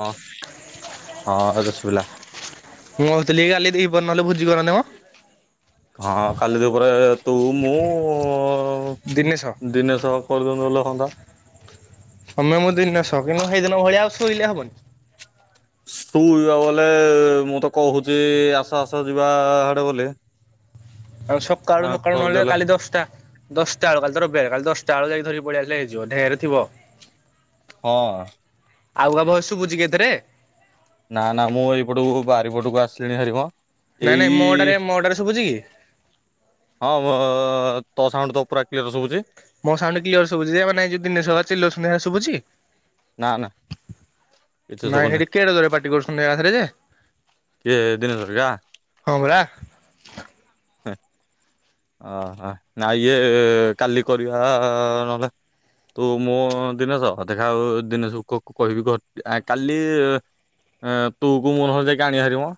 ହଁ ହଁ ଏବେ ଶୁବିଲା। ମୁଁ ଭାବୁଥିଲି କାଲି ଦି ପହରେ ନହେଲେ ଭୋଜି କରନ୍ତେ ମ। ହଁ କାଲି ଦି ପହରେ ତୁ ମୁଁ ଦିନେଶ ଦିନେଶ କରିଦୋଉନୁ ନହେଲେ ହଅନ୍ତା। ତମେ ମୁଁ ଦିନେଶ କିନ୍ତୁ ହେଇଦିନ ଭଳିଆ ଆଉ ଶୋଇଲେ ହବନି। ତୁ ଯିବା ବୋଲେ ମୁଁ ତ କୋହୁଚି ଆସ ଆସ ଯିବା ହାଡେ ବୋଲି। ଆଉ ସକାଳୁ ହଁ ସକାଳୁ ନହେଲେ କରିଦେଲେ କାଲି ଦଶଟା। ଦଶଟା ବେଳକୁ କାଲି ତ ରବିବାର କାଲି ଦଶଟା ବେଳକୁ ଯାଇକି ଧରିକି ପଳେଇ ଆସିଲେ ହେଇଯିବ। ଢେରେ ଥିବ। ହଁ ଆଉ କାହା ଭଏସ ଶୁବୁଚି କି ଏଥେରେ? ନାଁ ନାଁ ମୁଁ ଏଇପଟକୁ ବାରିପଟକୁ ଆସିଲିଣିଭାରି ମ। ନାଇଁ ନାଇଁ ମୋଟାରେ ଏଇ। ମୋଟାରେ ଶୁଭୁଛି କି? ହଁ ବ ତୋ ସାଉଣ୍ଡ ତ ପୁରା କ୍ଲିୟର ଶୁବୁଚି। ମୋ ସାଉଣ୍ଡ କ୍ଲିୟର ଶୁବୁଚି ଯେ ମାନେ ଦିନେଶ [unintelligible] ଚିଲୋଉଚନ୍ତି ହେରା ଶୁବୁଚି? ନା ନା କିଛି ନାଇଁ ଶୁଭୁନି। ହେଟି କେଡେ ଜୋରେ ପାଟି କରୁଚନ୍ତି ଏକାଥରେ ଯେ। ଇଏ ଦିନେଶ ହେରିକା। ହଁ ପରା। ହେ ଅ ହାଏ ନାଇଁ ଇଏ କାଲି କରିବା ନହେଲେ। ତୁ ମୁଁ ଦିନେଶ ଦେଖା ଆଉ ଦିନେଶକୁ କହିବି କ କାଲି ତୁକୁ ମୁଁ ନହେଲେ ଆଣିବା ଭାରି ମ।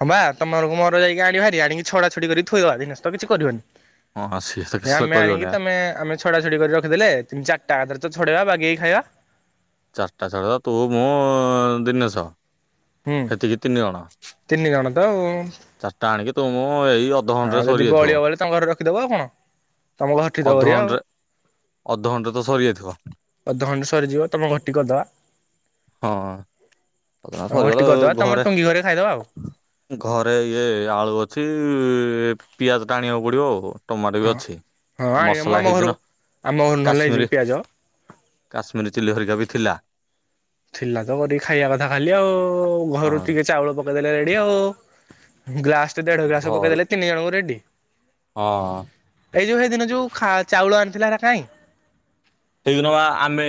ହଁ ବା ତମର ମୋର ଯାଇକି ଆଣିବା ଭାରି ଆଣିକି ଛଡ଼ାଛଡ଼ି କରି ଥୋଇଦବା ଦିନେଶ ତ କିଛି କରିବନି। ହଁ ହଁ, ସିଏ ତ କିଛି ଆମେ କରିବନି ଆଣିକି ଆ, ତମେ ଆମେ ଛଡ଼ା ଛଡ଼ି କରି ରଖିଦେଲେ ଚାରିଟା ହାତରେ ଛଡେଇବା ବାଗେଇକି ଖାଇବା। ଚାରିଟା ଛାଡ଼ ତୁ ମୁଁ ଦିନେଶ। ହୁଁ ସେତିକି ତିନି ଜଣ ତିନି ଜଣ ତ ଆଉ। ଚାରିଟା ଆଣିକି ତୁ ମୁଁ ଏଇ ହଁ ଅଧଘଣ୍ଟାରେ ଯଦି ସରିଯାଇଥିବ ବଳିବ ବଳିବ ତମେ ଘରେ ରଖିଦବ ଆଉ କଣ ତମ ଘରଠି ତ କରିବା ଆଉ ଅଧଘଣ୍ଟାରେ କଣ। ଅଧଘଣ୍ଟା ରେ ତ ସରିଯାଇଥିବ। ଅଧଘଣ୍ଟେ ସରିଯିବ ତମ ଘର ଟି କରିଦବା। ହଁ ତମ ଘରଟି ସରିଗଲେ କରିଦବା ତମ ଘରେ। ଟୁଙ୍ଗି ଖାଇଦବା ଆଉ ଘରେ ଇଏ ଆଳୁ ଅଛି। ପିଆଜ ଟା ଆଣିବାକୁ ପଡିବ ଆଉ। ଟମାଟୋ ବି ହଁ ଅଛି ହଁ ଆଉ ଆଣିବା ମୁଁ ମସଲା ଆମ ଘରୁ ହେଇଦିନ ଆମ ଘରୁ ନହେଲେ ନେଇଯିବି କାଶ୍ମିରୀ। ପିଆଜ କାଶ୍ମିରୀ ଚିଲି ହରିକା ବି ଥିଲା। ଥିଲା ତ କରିିକି ଖାଇବା କଥା ଖାଲି ଆଉ ଘରୁ ହଁ ଟିକେ ଚାଉଳ ପକେଇଦେଲେ ରେଡି ଆଉ। ଗ୍ଲାସ ଟେ ଦେଢ ଗ୍ଲାସ ଘରୁ ପକେଇଦେଲେ ତିନି ଜଣଙ୍କୁ ରେଡି। ହଁ। ହେଇ ଯୋଉ ହେଇଦିନ ଯୋଉ ଚାଉଳ ଆଣିଥିଲା ହେରା କାଇଁ? ହେଇଦିନ ଆମେ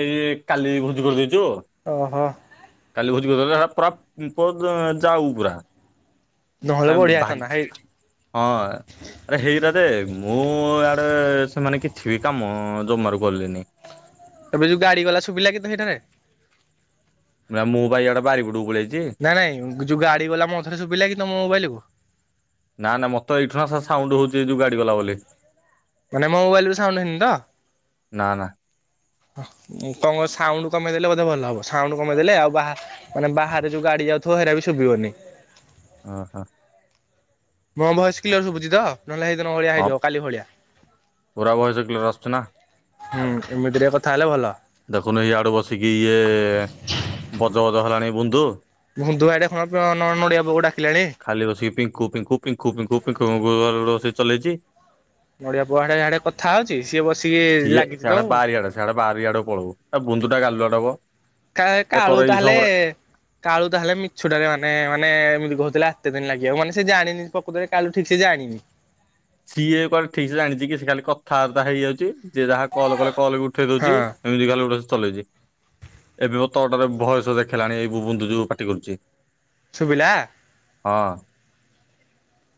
କାଲି ଭୋଜି କରିଦେଇଚୁ ମ ଓହୋ। କାଲି ଭୋଜି କରିଛୁ ହେରା ପୁରା ଯାଉ ପୁରା। ନହେଲେ ମାନେ ବଢିଆ ହେଇଥାନ୍ତା। ହେଇ ହଁ। ଆରେ ହେଇରାଧେ ମୁଁ ଆଡେ ସେମାନେ କିଛି ବି କାମ ଜମାରୁ କଲେନି। ଏବେ ଯୋଉ ଗାଡ଼ି ଗଲା ଶୁଭିଲା କି ହେଇଟାରେ। ମୁଁ ବାଇଆଟା ବାଡ଼ି ପଟକୁ ପଳେଇ ଆଇଚି। ନାଇଁ ନାଇଁ ଯୋଉ ଗାଡ଼ି ଗଲା ମୋତେ ଶୁଭିଲା ତମ ମୋବାଇଲକୁ। ନା ନା ମତେ ଏଇଠୁ ନା ସେ ସାଉଣ୍ଡ ହଉଛି ଏ ଯୋଉ ଗାଡି ଗଲା ବୋଲି। ମାନେ ମୋ ମୋବାଇଲ ରୁ ସାଉଣ୍ଡ ହେଇନି ତ। ନା ନା ତମ ସାଉଣ୍ଡ କମେଇଦେଲେ ବୋଧେ ଭଲ ହେବ ସାଉଣ୍ଡ କମେଇଦେଲେ ଆଉ ମାନେ ବାହାରେ ଯୋଉ ଗାଡି ଯାଉଥିବ ହେରା ବି ସୁଭିବନି। ଓହୋ। ମୋ ଭଏସ କ୍ଲିୟର ଶୁଭୁଚି ତ ନହେଲେ ହେଇଦିନ ଭଳିଆ ହଁ ହେଇଯିବ କାଲି ଭଳିଆ। ପୁରା ଭୟେସ କ୍ଳିଅର ଆସୁଚିନା। ହୁଁ ଏମିତିରେକେ କଥା ହେଲେ ଭଲ। ଦେଖୁନୁ ଏଇ ଆଡୁ ବସିକି ଇଏ ବଜ ବଜ ହେଲାଣି ବନ୍ଧୁ। ମୁଧୁଆଡ଼େ ଖଣ ନଡ଼ିଆ ପକୁ ଡାକିଲାଣି। ଖାଲି ବସିକି ପିଙ୍କୁ ପିଙ୍କୁ ପିଙ୍କୁ ପିିଙ୍କୁ ପିଙ୍କୁ ପିଙ୍କୁ ଖାଲି ଗୋଟେ ଚଲେଇଛି। ନଡିଆ ପୁହାଡେ ଯାଡେ କଥା ହଉଛି ସିଏ ବସିକି ଲାଗିଛି ତଉ। ସେଆଡେ ବାରି ଆଡେ ପଳୁ ବୁଧୁ ଗାଲୁଆଟା ଆଉ। କାଳୁ କାଳୁ ତାହେଲେ କାଳୁ ତାହେଲେ ମିଛୁଟାରେ ମାନେ ମାନେ ଏମିତି କହୁଥିଲେ ଆତେ ଦିନ ଲାଗିବ ମାନେ ସେ ଜାଣିନି। ପକୃତରେ କାଲି ଠିକ୍‌ ସେ ଜାଣିନି। ସିଏ କୁଆଡେ ଠିକ୍ ସେ ଜାଣିଛି। କି ସେ ଖାଲି କଥାବାର୍ତ୍ତା ହେଇଯାଉଛି ଯେ ଯାହା କଲ୍ କଲେ କଲ୍ ବି ଉଠେଇ ଦଉଛି। ହଁ ଏମିତି ଖାଲି ଗୋଟେ ଚଲେଇଛି। ଏବେ ମୋ ତ ଟରେ ବୟସ ଦେଖିଲାଣି ଏଇ ବନ୍ଧୁ ଯୋଉ ପାଟି କରୁଛି। ଶୁଭିଲା? ହଁ।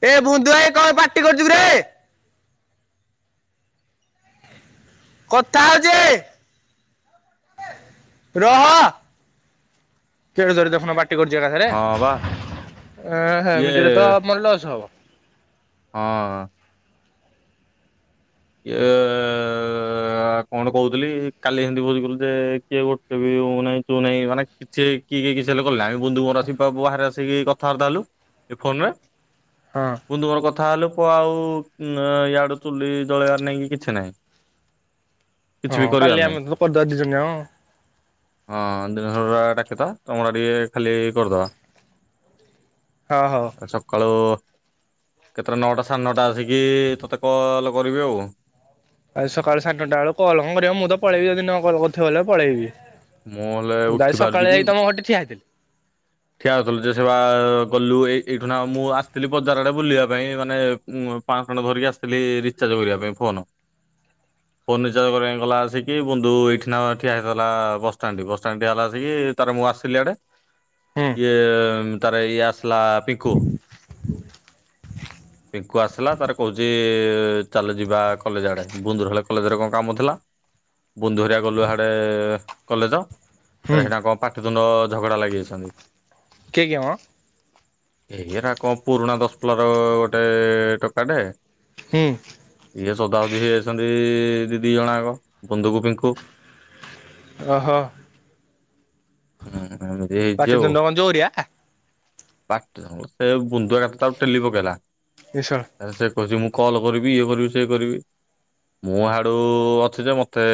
ଏ ବୁନ୍ଧୁ ଭାଇ କଣ ପାର୍ଟି କରୁଛୁ ରେ। କଥା ହଉଛି! ରହ! କେଡେ ଜୋରେ ଦେଖୁନ, ବାଟି କରୁଛି ଏକାଥରେ, ହଁ ବା ଇଏ ହେମିତିରେ ତ ମର ଲସ୍ ହବ। ହଁ। ଇଏ-ଏ-ଏ ଅ-ଅ କଣ କହୁଥିଲି, କାଲି ହେଁତି, ବହୁ ଗୁରୁ ଯେ କିଏ ଗୋଟେ ବି ଉଁ, ନାହିଁ ଚୁଁ, ନାହିଁ ମାନେ କିଛି କିଏ କି କିଛି ହେଲେ ଗଲା ଆଉଁ। ବୁନ୍ଧୁ ମୋର ଆସିକି ବ ବାହାରେ ଆସିକି କଥାଆର୍ତ୍ତା ହେଲୁ, ଏ ଫୋନ୍ ରେ। ହଁ। ବୁନ୍ଧୁ ମୋର କଥା ହେଲୁ, ପୁଅ ଆଉ, ୟାଡୁ ଚୁଲି ଜଳେଇବାର ନାହିଁ କି କିଛି ନାହିଁ। କିଛି ହଁ ବି କାଲି କରିଆର ଆମେ ନାହିଁ। ତ କରିଦବା ଦି ଜଣ ଯାକ ହଁ, ଦିନ [unintelligible] ଡାକିଥଆ ତମଡ଼ା ଟିକେ ଖାଲି କରିଦବା। ହ ହଉ। ସକାଳୁ-ଉ କେତେଟା ନଅଟା ସାଢ଼େ ନଅଟା ଆସିକି, ତୋତେ କଲ୍ କରିବି ଆଉ। ଆଜି ସକାଳୁ ସାଢେ ନଅଟା, ଆଳୁ କଲ୍ କଣ କରିବ? ମୁଁ ତ ପଳେଇବି ଯଦି ନ କଲ୍ କରିଥିବ ବଲେ ପଳେଇବି। ମୁଁ ହେଲେ ମୁଁ ତ ଉଠି ଆଇ ପାରୁଛି ସକାଳେ କି? ଏଇ ତମ ଘଟେ ଠିଆ ହେଇଥିଲି। ଠିଆ ହେଉଥୁଲୁ ଯେ ସେବା-ଆ ଗଲୁ ଏ ଏଇଠୁ ନା, ମୁଁ ଆସିଥିଲି ବଜାର ଆଡେ ବୁଲିବା ପାଇଁ ମାନେ ମୁଁ ପାଁଶ ଟଙ୍କାଟା ଧରିକି ଆସିଥିଲି ରିଚାର୍ଜ କରିବା ପାଇଁ ଫୋନ? ଫୋର୍ନିଚାର କରିବା ଗଲାଁ ଆସିକି ବୁନ୍ଧୁ ଏଇଠି ନା ଠିଆ ହେଇଥିଲା, ବସଷ୍ଟାଣ୍ଡ ଠି। ବସ୍ଷ୍ଟାଣ୍ଟ ଟି ହେଲା ଆସିକି ତାର ମୁଁ ଆସିଲି ଆଡ଼େ ହୁଁ ଇଏ, ତାର ଇଏ ଆସିଲା ପିଙ୍କୁ। ପିଙ୍କୁ ଆସିଲା ତାର କହୁଛି ଚାଲ ଯିବା କଲେଜ ଆଡ଼େ, ବୁନ୍ଦୁର ହେଲେ କଲେଜରେ କଣ କାମ ଥିଲା? ବୁନ୍ଦୁ ହରିଆ ଗଲୁ ହାଡେ କଲେଜ। ତ ହୁଁ ହେଇଡା କଣ ପାଟିତୁଣ୍ଡ ଝଗଡା ଲାଗିଯାଇଛନ୍ତି। କିଏ କିଏ ମ? ଏଇରା କଣ, ପୁରୁଣା ଦଶପଲାର ଗୋଟେ ଟୋକାଟେ ହୁଁ। ଇଏ ସୋଦାସୋଦି ହେଇଯାଛନ୍ତି-ଇ ଦି ଦି ଜଣଆଙ୍କ, ବୁନ୍ଦୁ କୁ ପିଙ୍କୁ। ଓହୋ! ହୁଁ, ଏମତି ହେଇଛି ଆଉ। ପାଟିତୁଣ୍ଡ କଣ ଜୋରିଆ ପାଟି ସେ ବୁନ୍ଦୁଆ କାତ ତାକୁ ଟେଲି ପକେଇଲା। ଇଏ ଶଳା! ଆରେ ସେ କହୁଛି ମୁଁ କଲ୍ କରିବି, ଇଏ କରିବି, ସିଏ କରିବି। ମୁଁ, ହାଡୁ ଅଛି ଯେ, ମତେ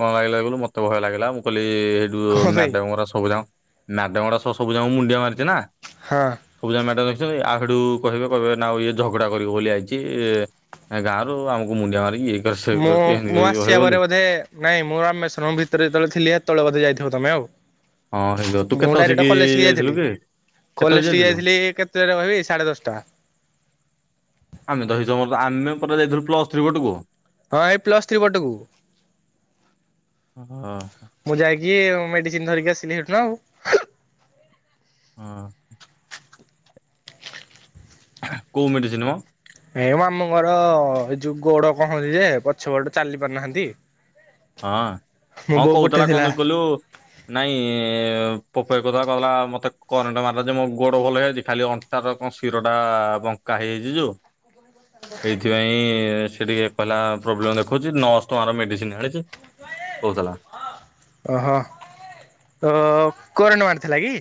କଣ ଲାଗିଲା କହିଲୁ, ମତେ ଭୟ ଲାଗିଲା, ମୁଁ କହିଲି ହେ ଯୁ କଣ ପାଇଁ ମ୍ୟାଡ଼ାମ୍ ଗୁରା ସବୁ ଯାଙ୍କ, ମ୍ୟାଡମ୍ ଗୁଡ଼ା ସ-ସବୁ ଯାଙ୍କୁ ମୁଣ୍ଡିଆ ମାରିଛି ନା! ହଁ। ସବୁ ଯାକ ମ୍ୟାଡ ଦେଖିଛତି, ଆ ହେଡୁ କହିବେ, କହିବେ ନାଉ ଇଏ ଝଗଡା କରିବି ବୋଲି ଆଇଛି-ଇ, ଗାଁରୁ ଆମକୁ ମୁଣ୍ଡିଆ ମାରିକି ଇଏ କର ସେ ମୁଁ, କରୁଛି ଏମିତି ମୁଁ କରି ଆସି ବା କହିବଲି ପରେ ବୋଧେ ନାଇଁ ମୁଁ ରାମେଶ୍ୱରଂ ଭିତରେ ଯେତବେଳେ ଥିଲି, ହେତେବେଳେ ବଧେ ଯାଇଥିବ ତମେ ଆଉ। ହଁ, ହେଇଥିବ, ତୁ ମୁଁ କେତେ ଡାଇରେକ୍ଟ ଅସିକି ଯାଇଥିଲୁ ଯାଇଥିଲି କିରେ? କଲେଜ ଠିକି ଯାଇଥିଲି କେତେଟାରେ କହିବି? ସାଢ଼େ ଦଶଟା। ଆମେ ତ ହେଇ ସମୟ ତ, ଆମେ ପୁରା ଯାଇଥିଲୁ ପ୍ଲସ୍ ଥ୍ରୀ ପଟକୁ। ହଁ, ଏଇ ପ୍ଲସ୍ ଥ୍ରୀ ପଟକୁ। ହଁ ମୁଁ ଯାଇକି ମେଡିସିନ ଧରିକି ଆସିଲି ହେଇଠୁ ନା ଆଉ। ହଁ। କଉ ମେଡିସିନ୍ ମ? ଏ, ମାମୁଁ ଙ୍କର-ଅ ଏଇ ଯୋଉ ଗୋଡ କଣ ହଉଛି ଯେ, ପଛ ପଟ ଚାଲି ପାରୁନାହାଁନ୍ତି। ହଁ, ହଁ କହୁଥିଲା କଣ ପଠେଇଥିଲା ଦେଖି କହିଲୁ? ନାଇଁ-ଇ ପପୁ ଭାଇ କହୁଥିଲା, କହୁଥିଲା ମତେ କରେଣ୍ଟ ମାରିଲା ଯେ ମୋ ଗୋଡ ଭଲ ହେଇଯାଇଛି। ଖାଲି ଅଣ୍ଟ ଣ୍ଟା ର କଣ ଶିରଟା ବଙ୍କା ହେଇଯାଇଛି ଯୋ ଏଇଥିପାଇଁ ସେ ଟିକେ କହିଲା ପ୍ରୋବ୍ଲେମ୍ ଦେଖଉଛି। ନଅସ୍ ଟଙ୍କାର ମେଡିସିନ୍ ଆଣିଛି। କୋଉଥଲା ଓହୋ ତ କରେଣ୍ଟ ମାରିଥିଲା କି?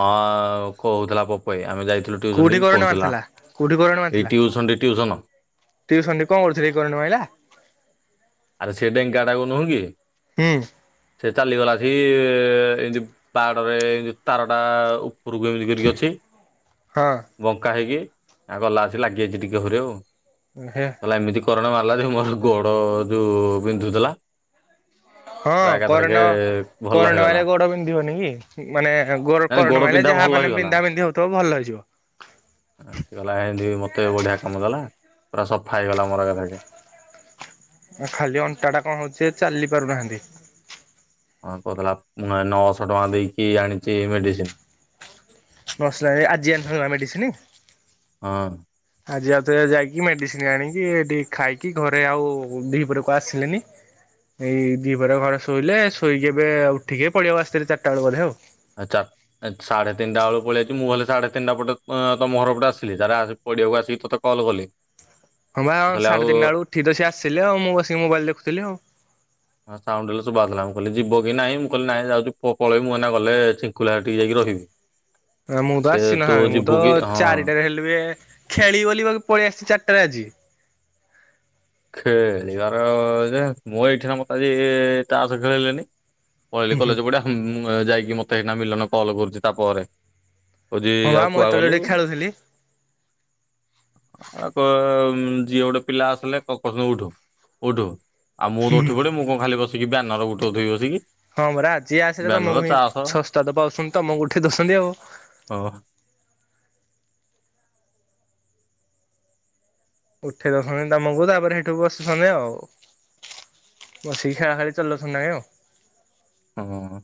ହଁ କୋହୁଥିଲା ପ ପୁଭାଇ ଆମେ ଯାଇଥିଲୁ ଟିଉସନଟେ କୋଉଠି କି କରେଣ୍ଟ କୋହୁଥିଲା ମାରିଥିଲା କୋଉଠି ଏଇ ଟିଉସନଟି ଟିଉସନ। ଟିଉସନରେ କଣ କରୁଥୁଲା କି କରେଣ୍ଟ ମାଇଲା? ଆରେ ସିଏ ଡେଙ୍କାଟାକୁ ନୁହୁଁ କି ହୁଁ। ସିଏ ଚାଲିଗଲା ଆସିକି ଏମତି ପାହାଡରେ ଏମତି ତାରଟା ଉ ଉପୁରୁକୁ ଏମିତି କରିକି ଅଛି ହଁ ବଙ୍କା ହେଇକି ଆଉ ଗଲା ଆସି ଲାଗିଯାଇଚି ଟିକେ ହୁରେ ଆଉ। ଉମ୍ ହେ। ଏମିତି କରେଣ୍ଟ ମାରଲା ଯେ ମୋର ଗୋଡ ଯୋଉ ବିନ୍ଧୁଥୁଲା ହଁ କରେଣ୍ଟ ମା ଭଲ କରେଣ୍ଟ ହେଇଗଲା ମାଇଲେ ଗୋଡ ପିନ୍ଧିବନି କି? ମାନେ ଗୋଡ ମାନେ କରେଣ୍ଟ ମାଇଲେ ବିନ୍ଧା ଯାହା ଭଲ ମାନେ ହେଇଗଲା ବିନ୍ଧାବିନ୍ଧି ହୋଉଥୁବ ଭଲ ହେଇଯିବ। ଆ ସେ ଗଲା ଏମତି ମତେ ବଢିଆ କାମ ଦେଲା ପୁରା ସଫା ହେଇଗଲା ମୋର ଏକାଥରକେ। ଆଉ ଖାଲି ଅଣ୍ଟାଟା କଣ ହୋଉଛି ଚାଲି ପାରୁନାହାନ୍ତି। ହଁ କୋହୁଥିଲା ମୁଁ କାଳେ ନଅଶ ଟଙ୍କା ଦେଇକି ଆଣିଚି ମେଡିସିନ। ନଅଶ ଟଙ୍କା ଦେଇ ଆଜି ଏଣଥାନ୍ତା ପା ମେଡିସିନ? ହଁ ଆଜି ଆଉଥରେ ଯାଇକି ମେଡିସିନ ଆଣିକି ଏଟିକି ଖାଇକି ଘରେ ଆଉ ଦିହିପରେ କୁଆ ଆସିଲେନି। ଏଇ ଦିପହରେ ଘରେ ଶୋଇଲେ ଶୋଇକି ଏବେ ଉଠିକେ ଏ ପଡିଆକୁ ଆସିଥିଲେ ଚାରିଟା ବେଳ ବୋଧେ ଆଉ। ଆ ଚା ଏ ସାଢ଼େ ତିନଟା ବେଳକୁ ପଳେଆଇଚି ମୁଁ ହେଲେ ସାଢ଼େ ତିନଟା ପଟେ ଅଁ ତମ ଘର ପଟେ ଆସିଲି ତାରେ ଆସି ପଡ଼ିଆକୁ ଆସିକି ତତେ କଲ୍ କଲି। ହଁ ପା ଏ ମୁଁ ଆମ କହିଲି ଆଉ ସାଢେ ତିନଟା ବେଳକୁ ଉଠିକି ତ ସିଏ ଆିଲେ ଆଉ ମୁଁ ବସିକି ମୋବାଇଲ ଦେଖୁଥୁଲି ଆଉ। ହଁ ସାଉଣ୍ଡ ହେଲେ ଶୁବା ହୋଉଥୁଲା ମୁଁ କହିଲି ଯିବ କି ନାଇଁ ମୁଁ କହିଲି ନାଇଁ ଯାଉଚୁ ପ-ପଳେଇବି ମୁଁ ଏନା ଗଲେ ଚିଙ୍କୁୁଲୁ ଭାଇ ଟିକ ଯାଇକି ରହିବି। ହ ନା ମୁଁ ତ ଆସିନାହାନ୍ତି ମୁଁ ତ ହଁ ଚାରିଟାରେ ହେଲେ ବି ଖେଳିବି ବୋଲି ବାକି ପଳେଇ ଆସଚି ଚାରିଟାରେ ଆଜି। ଖେଳିବାର ଯେ ମୁଁ ଏଇଠି ନା ମତେ ଆଜି ତାସ ଖେଳିଲେନି। ପଳେଇଲେ କଲେଜ ଗୋଟା ହୁଁ ଯାଇକି ମତେ ଏଇନା ମିଲନ କଲ କରୁଚି ତାପରେ। କୋଉଚି ହଁ ବା ଆଉ ମୁଁ କୁଆଡେ ହେତେବେଳେ ଗଲୁ? ଟିକେ ଖେଳୁଥିଲି। ଆ କ ଯିଏ ଗୋଟେ ପିଲା ଆସିଲେ କ କ ଉଠୁ ଉଠୁ ଆଉ ମୁଁ ତ ଉଠି ପଡେ ମୁଁ କଣ ଖାଲି ବସିକି ବ୍ୟାନର ଉଠୋଉଥିବି ବସିକି। ହଁ ପରା ଆଜି ଆସିଲେ ବ୍ୟାନର ତମକୁ ହିଁ ଚାସ ସସ୍ତା ତ ପାଉଛନ୍ତି ତମକୁ ଉଠେଇ ଦୋଉଛନ୍ତି ଆଉ। ଓହୋ। ଉଠେଇ ଦୋଉଛନ୍ତି ତମକୁ ତାପରେ ହେଠୁ ବସୁଛନ୍ତି ଆଉ। ବସିକି ଖେଳାଖେଳି ଚଲୋଉଛନ୍ତି ତାଙ୍କେ ଆଉ। ହଁ।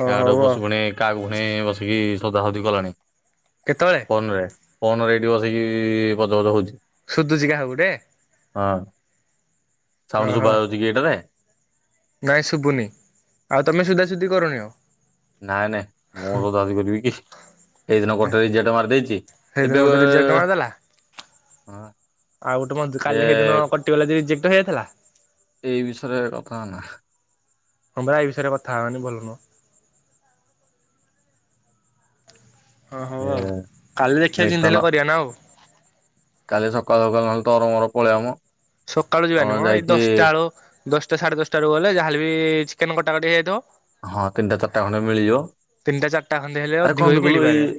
ହଉ ୟାଡୁ ହଉ ଆଉ ପଶୁ ଫୁଣ କାହାକୁ ଫୁଣ ବସିକି ସୋଦାସୋଦି କଲାଣି। କେତୋବେଳେ? ଫୋନରେ ଫୋନରେ ଏଇଠି ବସିକି ଗଜଗଜ ହୋଉଛି। ସୁଦୁଚି କାହାକୁ ଗୋଟେ? ହଁ ସାଉଣ୍ଡ ଓହୋ ଶୁଭାଯାଉଚି କି ଏଇଟାରେ? ନାଇଁ ଶୁଭୁନି ଆଉ ତମେ ସୁଦାସୁଦି କରୁନି ଆଉ। ନାଇଁ ନାଇଁ ମୋ ସୋଦାସୋଦି କରିବି କି? ହେଇଦିନ ଗୋଟେ ରିଜେକ୍ଟ ମାରିଦେଇଚି ସେଇଦିନ ଏବେକ ଗୋଟେ ରିଜେକ୍ଟ ମାରିଦେଲା ଆଉ ଗୋଟେ ମତେ କାଲି ହେଇ ଦିନ କଟିଗଲା ଯେ ରିଜେକ୍ଟ ହେଇଯାଥିଲା। ଏହି ବିଷୟରେ କଥା ହୋଅନା। ହଁ ପା ଏଇ ବିଷୟରେ କଥା ହବାନି ଭଲ ନୁହଁ। ହଁ ହୋଉ ଏ ଆଉ କାଲି ଦେଖିଆ ଯେମତି ମିଟନ ହେଲେ କରିବା ନା ଆଉ। କାଲି ସକାଳୁ ସକାଳୁ ନହଲେ ତୋର ମୋର ପଳେଇବା ମ। ସକାଳୁ ଯିବାନି ତମର ମ ଏଇ ଯାଇକି ଦଶଟା ବେଳୁ ଦଶଟା ସାଢ଼େ ଦଶଟାରୁ ଗଲେ ଯାହା ହେଲେ ବି ଚିକେନ କଟାକଟି ହେଇଯାଇଥିବ। ହଁ ତିନିଟା ଚାରିଟା ଖଣ୍ଡେ ମିଳିଯିବ ତିନିଟା ଚାରିଟା ଖଣ୍ଡେ ହେଲେ ଆରେ ଅଧିକ କଣ ବି କହିଲୁ ଏଇ ମିଳିପାରିବା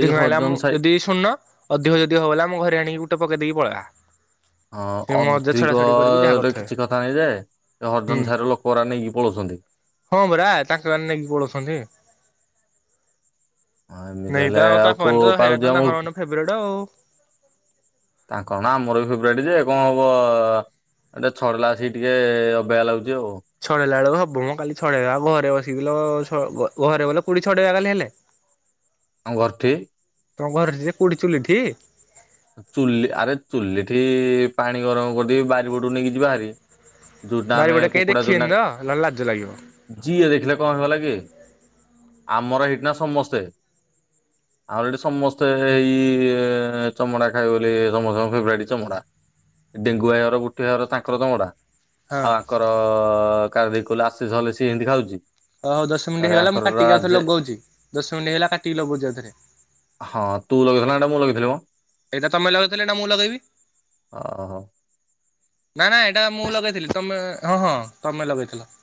ଏଇ ହେଲା ହରିଜନ ମୁଁ ସାହି ଯଦି ଶୁଣୁନ ଅଧିକ ଯଦି ହବ ବୋଲେ ଆମ ଘରେ ଆଣିକି ଗୋଟେ ପକେଇ ଦେଇେଇକି ପଳେଇବା। ହଁ ସେ ମଜା ଛଡା ଛଡି କରିକି ଯାହା ଅଧିକରେ କରିଥାଏ କିଛି କଥା ନାଇଁ ଯେ। ସେ ହରିଜନ ସାହିର ଲୋକ ଗୁରା ନେଇକି ପଳୋଉଛନ୍ତି। ହଁପରା ତାଙ୍କ ମାନେ ନେଇକି ପଳୋଉଛନ୍ତି। ହଁ ଏମିତି ନାଇଁ ହେଲେ ତ ଆଉ କୋଉ ତାଙ୍କାମାନ ତ ହେରା ପାଉଛି ଆମକୁ ତାଙ୍କମାନ ଫେବରାଇଟ ଆଉ। ତାଙ୍କ କଣ ଆମରବି ଫେବରାଇଟ ଯେ କଣ ହବ ଏଟା ଛାଡେଇଲା ବେସିକି ଟିକେ ଅବାଗିଆ ଲାଗୁଛି ଆଉ। ଛଡେଇଲା ବେଳକୁ ହବମ କାଲି ଛଡେଇବା ଘରେ ବସିକି ଘରେ [inaudible] କୁଡି ଛଡେଇବା କାଲି ହେଲେ। ଆମ ଘରଠୀ। ତମ ଘରେଠି ଯେ କୋଉଠି ଚୁଲିଠି। ଚୁଲି ଆରେ ଚୁଲି ଠି ପାଣି ଗରମ କରିଦେକି ବାରିପଟୁ ନେଇକି ଯିବାଭାରି। ବାରିପଟେ କେହି ଦେଖିବେନି ତ ନହେଲେ ଲାଜ ଲାଗିବ। ଯିଏ ଦେଖିଲେ କଣ ହେଇଗଲା କି ଆମର ହେଇଟ୍ ନା ସମସ୍ତେ। ଆମର ହେଠି ସମସ୍ତେ ହେଇ ଏଁ ଚମଡ଼ା ଖାଇ ବୋଲି ସମସ୍ତଙ୍କ ଫେବରାଇଟ୍ ଚମଡ଼ା। ଡେଙ୍ଗୁଆଇ ଘର ବୁଟି ଆଇ ଘର ଆର ତାଙ୍କର ଚମଡ଼ା। ହଁ ଆଉ ଆଙ୍କର କାର ଦେଇ କହିଲୁ ଆଶିଶ ହେଲେ ସଏ ହେନ୍ତି ଖାଉଛି। ଓହୋ ଦଶ ମିନିଟ ତାପରେ ହେଇଗଲା ମୁଁ ଆଙ୍କର କାଟିକି ଆଉଥରେ ରାଜେ ଲଗୋଉଛି ଦଶ ମିନିଟ ହେଇଗଲା କାଟିକି ଲଗୋଉଛି ଆଉଥରେ। ହଁ ତୁ ଲଗେଇଥିଲୁ ନା ଏଟା ମୁଁ ଲଗେଇଥିଲିିମ। ଏଟା ତମେ ଲଗେଇଥିଲ ଏଇନା ମୁଁ ଲଗେଇବି। ଓ ହୋ। ନା ନା ଏଇଟା ମୁଁ ଲଗେଇଥିଲି ତମେ ହଁ ହଁ ତମେ ଲଗେଇଥିଲ।